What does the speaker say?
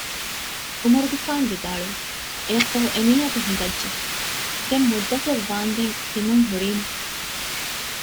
ޢުމަރުގެފާނު ވިދާޅުވި އެއަށް ފަހު އެ މީހަކު ހިނގައްޖެ ދެން މުއްދަތެއް ވާނދެން ތިމަން ހުރީމު